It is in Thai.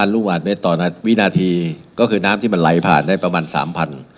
๓๐๐๐ลูกหวัดเม็ดต่อนัดวินาธีก็คือน้ำที่มันไหลผ่านได้ประมาณ๓๐๐๐